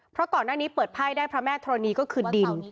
เพราะก่อนหน้านี้เปิดไพ่ได้พระแม่ธรณีก็คือดิน